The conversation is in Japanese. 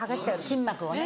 筋膜をね。